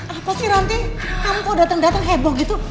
apa sih ranti kamu kok dateng dateng heboh gitu